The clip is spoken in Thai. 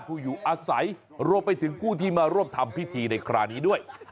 ผู้อยู่อาศัยรวมไปถึงผู้ที่มาร่วมทำพิธีในคราวนี้ด้วย